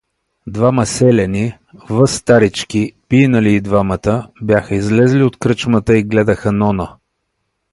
Двама селяни, възстарички, пийнали и двамата, бяха излезли от кръчмата и гледаха Нона.